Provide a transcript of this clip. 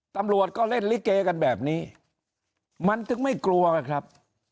ตำรวจก็เล่นลิเกกันแบบนี้มันถึงไม่กลัวไงครับ